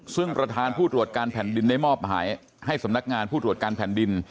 ซึ่งประธานผู้ตรวจการแผ่นดินได้มอบหมายให้สำนักงานผู้ตรวจการแผ่นดิน